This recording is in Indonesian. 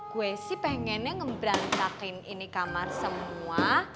gue sih pengennya ngebeantakin ini kamar semua